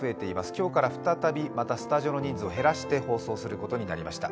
今日から再びまたスタジオの人数を減らして放送することにしました。